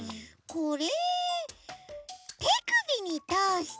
これ。